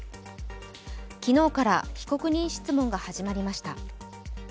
昨日から被告人質問が始まりました。